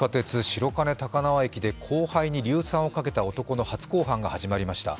白金高輪駅で、後輩に硫酸をかけた男の初公判が始まりました。